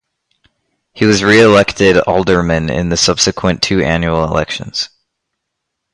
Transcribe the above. He was re-elected alderman in the subsequent two annual elections.